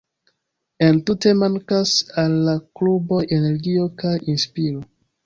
Entute, mankas al la kluboj energio kaj inspiro.